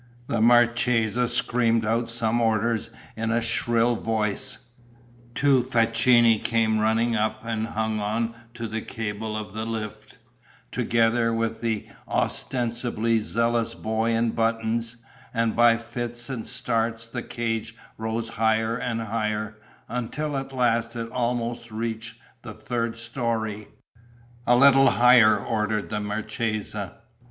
The marchesa screamed out some orders in a shrill voice; two facchini came running up and hung on to the cable of the lift, together with the ostensibly zealous boy in buttons; and by fits and starts the cage rose higher and higher, until at last it almost reached the third storey. "A little higher!" ordered the marchesa.